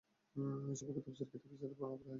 এ সম্পর্কে তাফসীরের কিতাবে বিস্তারিত বর্ণনা করা হয়েছে।